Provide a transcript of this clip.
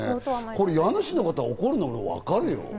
家主の方が怒るの分かるよ。